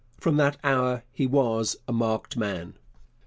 From that hour he was a marked man.